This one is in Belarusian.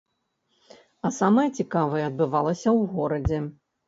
А самае цікавае адбывалася ў горадзе.